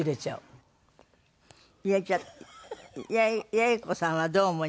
八重子さんはどうお思いになります？